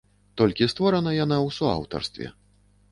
Толькі створана яна ў суаўтарстве.